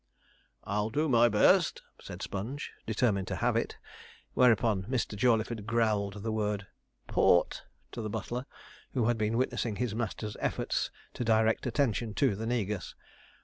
'I'll do my best,' said Sponge, determined to have it; whereupon Mr. Jawleyford growled the word 'Port' to the butler, who had been witnessing his master's efforts to direct attention to the negus.